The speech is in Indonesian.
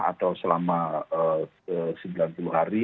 atau selama sembilan puluh hari